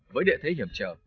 với địa thế hiểm trở